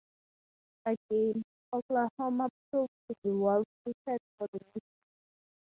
Again, Oklahoma proved to be well suited for the mission.